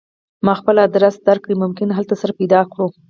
ما خپل ادرس درکړ ممکن هلته سره پیدا کړو